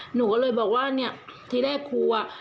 หนูก็เลยบอกว่าเนี่ยทีแรกครูอ่ะ